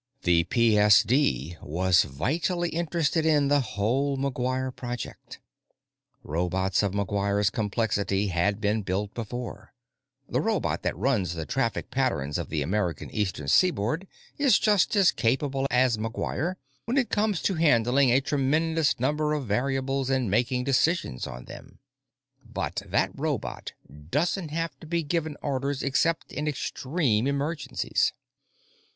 The PSD was vitally interested in the whole McGuire project. Robots of McGuire's complexity had been built before; the robot that runs the traffic patterns of the American Eastern Seaboard is just as capable as McGuire when it comes to handling a tremendous number of variables and making decisions on them. But that robot didn't have to be given orders except in extreme emergencies.